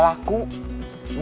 masih ada yang lagi